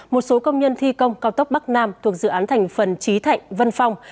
một số công nhân thi công cao tốc bắc nam thuộc dự án thành phần trí thạnh vân phong